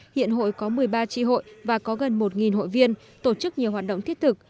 hiện hội có một mươi ba tri hội và có gần một hội viên tổ chức nhiều hoạt động thiết thực